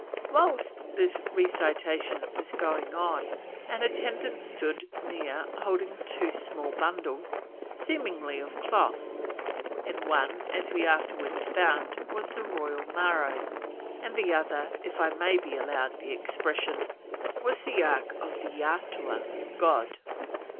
Whilst this recitation was going on an attendant stood near holding two small bundles "seemingly of cloth; in one, as we afterwards found, was the Royal Maro, and the other, if I may be allowed the expression, was the ark of the Eatua" [God].